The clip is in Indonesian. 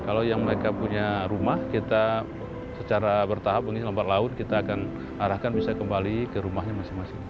kalau yang mereka punya rumah kita secara bertahap mengisi lempar laut kita akan arahkan bisa kembali ke rumahnya masing masing